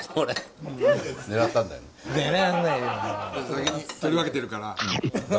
先に取り分けてるから。